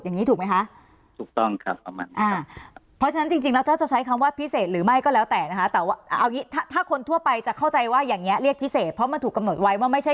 อย่างนี้ถูกไหมคะ